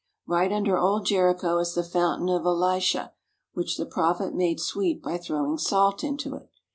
Right under old Jericho is the fountain of Elisha which the prophet made sweet by throwing salt into it.